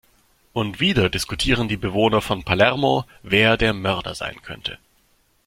Und wieder diskutieren die Bewohner von Palermo, wer der Mörder sein könnte.